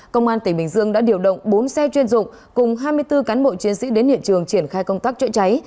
công an tỉnh bình dương đã điều động bốn xe chuyên dụng cùng hai mươi bốn cán bộ chiến sĩ đến hiện trường triển khai công tác chữa cháy